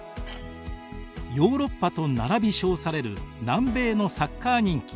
ヨーロッパと並び称される南米のサッカー人気。